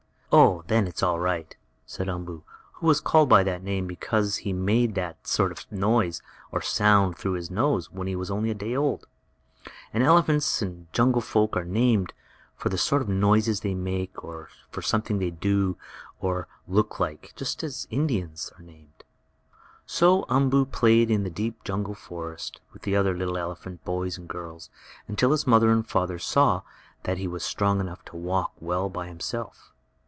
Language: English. "Oh, then it's all right," said Umboo, who was called by that name because he had made that sort of noise or sound through his nose, when he was a day old. And elephants and jungle folk are named for the sort of noises they make, or for something they do, or look like, just as Indians are named. So Umboo played in the deep jungle forest with the other little elephant boys and girls until his mother and father saw that he was strong enough to walk well by himself.